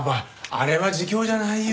あれは自供じゃないよ。